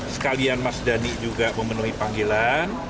sekalian mas dhani juga memenuhi panggilan